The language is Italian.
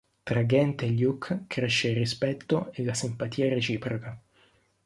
Tra Gant e Luke cresce il rispetto e la simpatia reciproca.